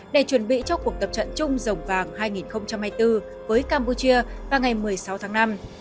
để chuẩn bị cho cuộc tập trận chung dòng vàng hai nghìn hai mươi bốn với campuchia vào ngày một mươi sáu tháng năm